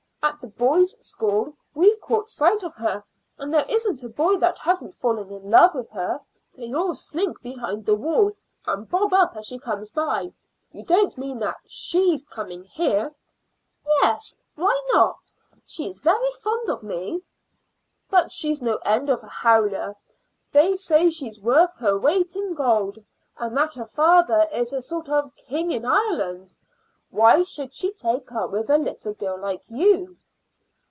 At the boys' school they've caught sight of her, and there isn't a boy that hasn't fallen in love with her. They all slink behind the wall, and bob up as she comes by. You don't mean that she's coming here?" "Yes; why not? She's very fond of me." "But she's no end of a howler. They say she's worth her weight in gold, and that her father is a sort of king in Ireland. Why should she take up with a little girl like you?"